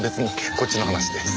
こっちの話です。